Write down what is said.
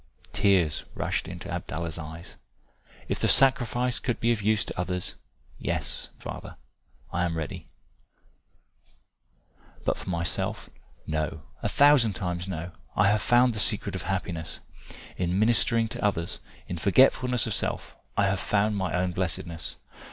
Tears rushed to Abdallah's eyes. "If the sacrifice could be of use to others, yes, father, I am ready," he replied. "But for myself, no, a thousand times no. I have found the secret of happiness. In ministering to others, in forgetfulness of self, I have found my own blessedness.